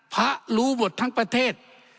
รู้บททั้งประเทศ